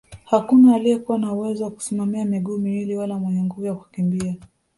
Hakuna aliyekuwa na uwezo wa kusimamia miguu miwili wala mwenye nguvu za kukimbia